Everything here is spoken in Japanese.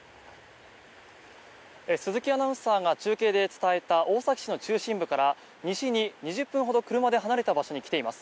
鈴木アナウンサーが中継で伝えた大崎市の中心部から西に２０分ほど車で離れた場所に来ています。